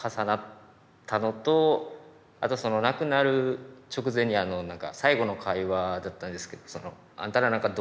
あとその亡くなる直前に最後の会話だったんですけど「あんたらなんかどうでもいい。